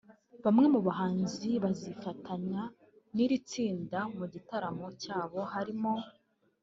Bamwe mu bahanzi bazifatanya n'iri tsinda mu gitaramo cyabo harimo